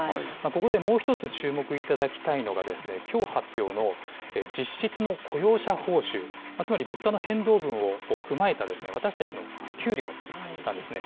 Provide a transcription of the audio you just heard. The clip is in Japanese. ここでもう１つ注目いただきたいのがですね、きょう発表の実質の雇用者報酬、つまり、物価の変動分を踏まえた、私たちの給料なんですね。